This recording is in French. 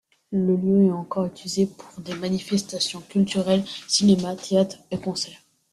Le lieu est encore utilisé pour des manifestations culturelles, cinéma, théâtre et concerts.